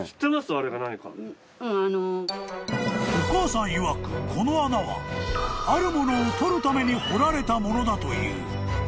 ［お母さんいわくこの穴はあるものをとるために掘られたものだという］